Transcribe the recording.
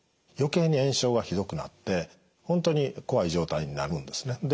余計に炎症がひどくなって本当に怖い状態になるんですね。